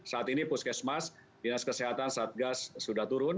saat ini puskesmas dinas kesehatan satgas sudah turun